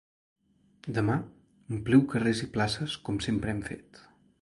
Demà ompliu carrers i places com sempre hem fet.